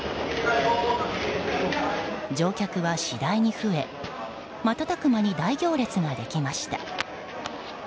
乗客は次第に増え瞬く間に大行列ができました。